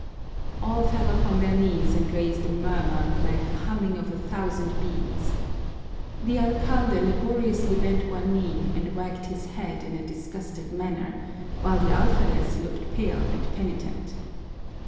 All fell upon their knees and raised a murmur like the humming of a thousand bees. The alcalde laboriously bent one knee and wagged his head in a disgusted manner, while the alferez looked pale and penitent.